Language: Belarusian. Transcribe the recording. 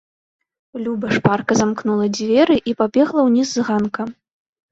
Люба шпарка замкнула дзверы і пабегла ўніз з ганка.